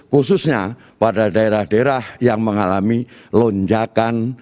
khususnya pada daerah daerah yang mengalami lonjakan